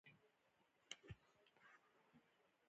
رابرټ لو په ځواب کې ورته ولیکل.